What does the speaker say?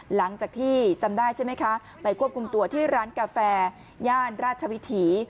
หลังจากที่จำได้ใช่ไหมคะไปควบคุมตัวที่ร้านกาแฟย่านราชวิถี